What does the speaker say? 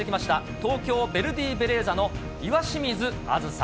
東京ヴェルディベレーザの岩清水梓。